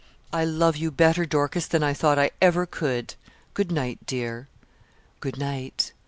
'I love you better, Dorcas, than I thought I ever could. Good night, dear.' 'Good night.'